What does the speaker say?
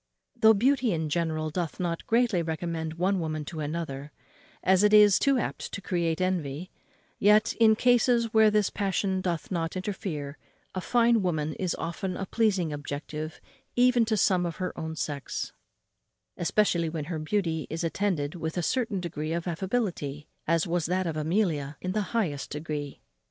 Though beauty in general doth not greatly recommend one woman to another, as it is too apt to create envy, yet, in cases where this passion doth not interfere, a fine woman is often a pleasing object even to some of her own sex, especially when her beauty is attended with a certain air of affability, as was that of Amelia in the highest degree.